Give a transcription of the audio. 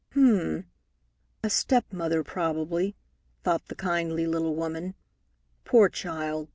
"H'm! A stepmother, probably," thought the kindly little woman. "Poor child!